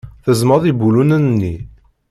Tezmeḍ ibulunen-nni.